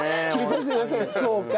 そうか。